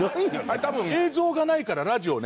あれ多分映像がないからラジオね